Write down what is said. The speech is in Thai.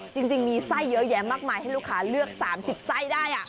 จริงมีไส้เยอะแยะมากมายให้ลูกค้าเลือก๓๐ไส้ได้